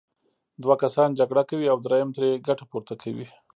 دوه کسان جګړه کوي او دریم ترې ګټه پورته کوي.